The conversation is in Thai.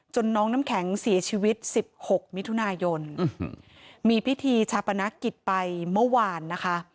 น้องน้ำแข็งเสียชีวิต๑๖มิถุนายนมีพิธีชาปนกิจไปเมื่อวานนะคะ